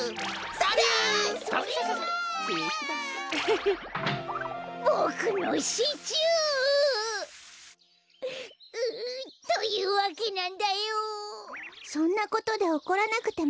そんなことでおこらなくてもいいじゃない。